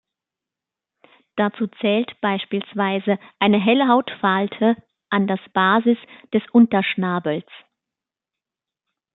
Dazu zählt beispielsweise eine helle Hautfalte an das Basis des Unterschnabels.